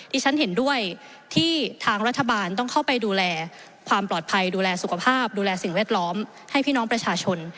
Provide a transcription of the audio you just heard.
ที่ฉันเห็นด้วยที่ทางรัฐบาลต้องเข้าไปดูแลความปลอดภัยดูแลสุขภาพดูแลสิ่งแวดล้อมให้พี่น้องประชาชน